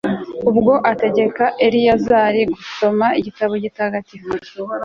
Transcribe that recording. ubwo ategeka eleyazari gusoma igitabo gitagatifu